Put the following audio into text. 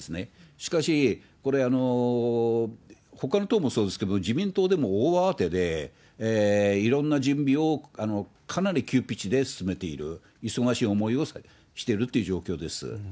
しかし、これ、ほかの党もそうですけど、自民党でも大慌てで、いろんな準備をかなり急ピッチで進めている、忙しい思いをしてるっていう状況です。